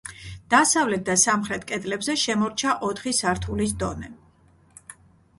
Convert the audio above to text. დასავლეთ და სამხრეთ კედლებზე შემორჩა ოთხი სართულის დონე.